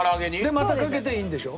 でまたかけていいんでしょ？